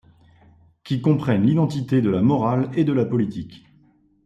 qui comprenne l’identité de la morale et de la politique